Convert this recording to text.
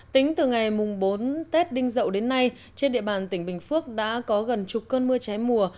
tính từ ngày bốn tết đinh dậu đến nay trên địa bàn tỉnh bình phước đã có gần chục cơn mưa cháy mùa